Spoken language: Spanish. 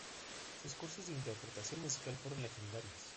Sus cursos de interpretación musical fueron legendarios.